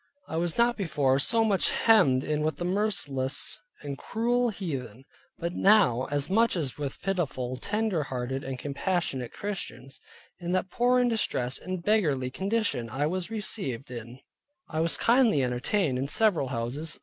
I was not before so much hemmed in with the merciless and cruel heathen, but now as much with pitiful, tender hearted and compassionate Christians. In that poor, and distressed, and beggarly condition I was received in; I was kindly entertained in several houses.